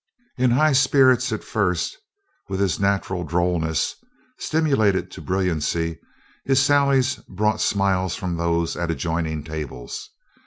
In high spirits at first, with his natural drollness, stimulated to brilliancy, his sallies brought smiles from those at adjoining tables.